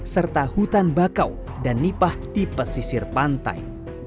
serta hutan bakau dan nipah di pesisir pantai